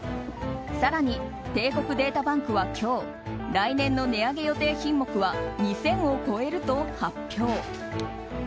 更に、帝国データバンクは今日来年の値上げ予定品目は２０００を超えると発表。